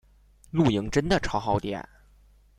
录影真的超耗电